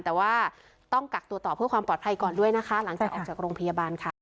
แต่ว่าต้องกักตัวต่อเพื่อความปลอดภัยก่อนด้วยนะคะหลังจากออกจากโรงพยาบาลค่ะ